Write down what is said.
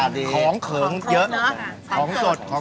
สะอาดดีฟะของเหงาเยอะศดเยอะอะไร